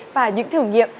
và những thử nghiệm